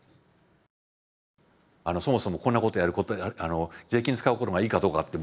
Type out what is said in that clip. そもそもこんなことやることに税金使うことがいいかどうかって問題